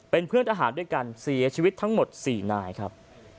เป็นเพื่อนทหารด้วยกันเสียชีวิตทั้งหมด๔นายครับ